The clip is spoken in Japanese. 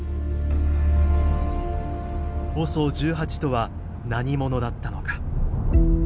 ＯＳＯ１８とは何者だったのか。